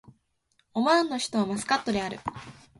オマーンの首都はマスカットである